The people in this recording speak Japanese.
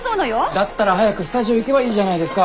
だったら早くスタジオ行けばいいじゃないですか。